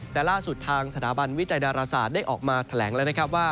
แต่ล่าสุดทางสถาบันวิจัยดาราศาสตร์ได้ออกมาแถลงแล้วนะครับว่า